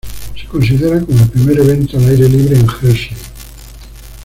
Se considera como el primer evento al aire libre en Hershey.